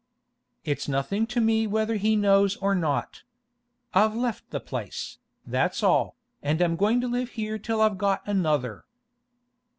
'It's nothing to me whether he knows or not. I've left the place, that's all, and I'm going to live here till I've got another.